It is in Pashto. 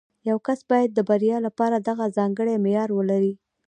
یو کس باید د بریا لپاره دغه ځانګړی معیار ولري